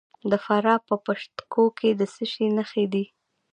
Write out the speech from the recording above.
د فراه په پشت کوه کې د څه شي نښې دي؟